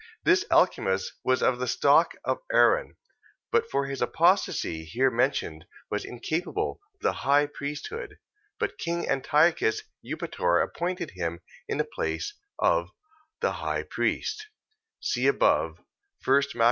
This Alcimus was of the stock of Aaron, but for his apostasy here mentioned was incapable of the high priesthood, but king Antiochus Eupator appointed him in place of the high priest, (see above, 1 Mac.